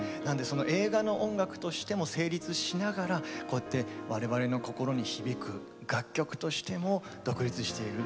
映画の音楽としても成立しながらこうやって、我々の心にも響く楽曲としても独立している。